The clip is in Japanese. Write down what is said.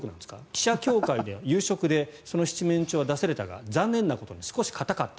記者協会で夕食でその七面鳥が出されたが残念なことに少し硬かった。